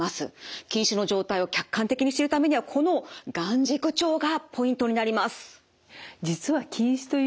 近視の状態を客観的に知るためにはこの眼軸長がポイントになります。